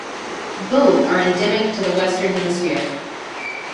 Both are endemic to the Western Hemisphere.